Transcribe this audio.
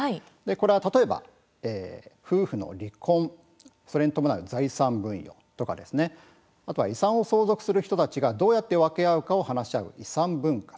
例えば夫婦の離婚それに伴う財産分与とかあとは遺産を相続する人たちがどうやって分け合うかを話し合う遺産分割